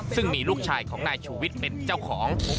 ซึ่งมีลูกชายของนายชูวิทย์เป็นเจ้าของ